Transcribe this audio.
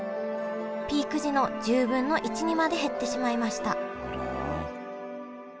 ピーク時の１０分の１にまで減ってしまいましたあら。